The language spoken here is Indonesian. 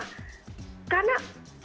karena kuotanya kecil